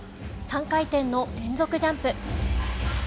３回転の連続ジャンプ。